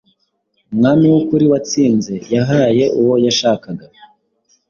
umwami wukuri watsinze yahaye uwo yashakaga